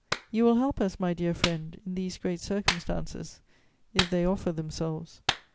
"You will help us, my dear friend, in these great circumstances, if they offer themselves.